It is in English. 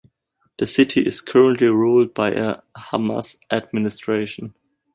The city is currently ruled by a Hamas administration.